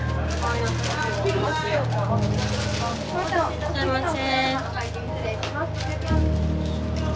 いらっしゃいませ。